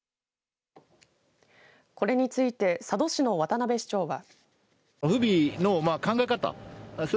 これについて佐渡市の渡辺市長は。